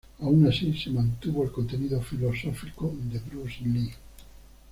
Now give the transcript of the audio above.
Aun así, se mantuvo el contenido filosófico de Bruce Lee.